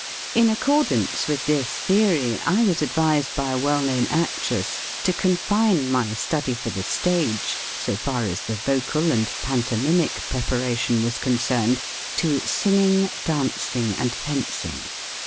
In ac cordance with this theory I was advised by a well known actress to confine my study for the stage, so far as the vocal and panto mimic preparation was concerned, to singing, dancing, and fencing.